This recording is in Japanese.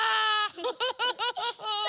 フフフフフ。